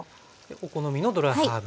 お好みのドライハーブ。